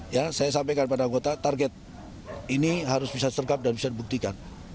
ya saya sampaikan pada anggota target ini harus bisa sergap dan bisa dibuktikan